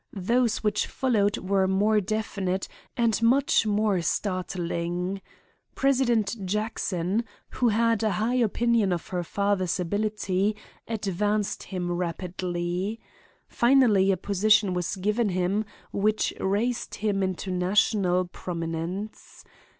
Those which followed were more definite and much more startling. President Jackson, who had a high opinion of her father's ability, advanced him rapidly. Finally a position was given him which raised him into national prominence.